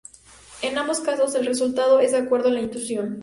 En ambos casos, el resultado es de acuerdo a la intuición.